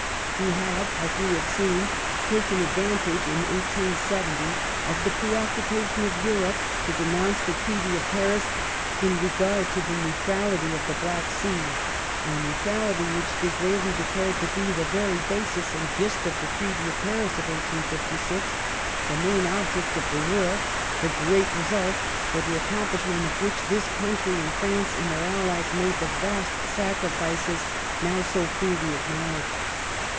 He had, as we have seen, taken advantage in 1870 of the preoccupation of Europe to de nounce the Treaty of Paris in regard to the neutrality of the Black Sea — a neutrality which Disraeli declared to be " the very basis and gist of the Treaty of Paris of 1856 ... the main object of the war, the great result for the accomplishment of which this country and France and their Allies made the vast sacrifices now so freely acknowledged